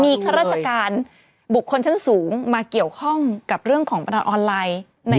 มีข้าราชการบุคคลชั้นสูงมาเกี่ยวข้องกับเรื่องของพนันออนไลน์